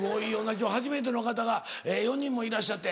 今日初めての方が４人もいらっしゃって。